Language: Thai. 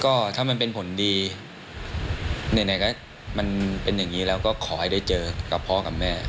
ก็ถ้ามันเป็นผลดีไหนก็มันเป็นอย่างนี้แล้วก็ขอให้ได้เจอกับพ่อกับแม่